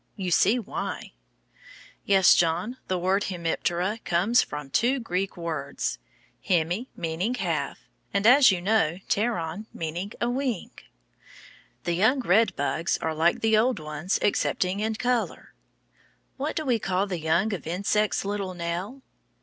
You see why. Yes, John, the word "hemiptera" comes from two Greek words, hemi, meaning half, and, as you know, pteron, meaning a wing. The young red bugs are like the old ones, excepting in color. What do we call the young of insects, little Nell?